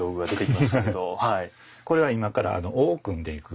これは今から緒を組んでいく。